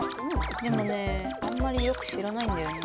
でもねあんまりよく知らないんだよね。